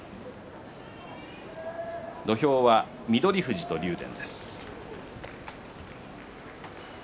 土俵は翠富士と竜電です。